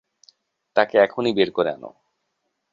তাকে এখনই বের করে আনো।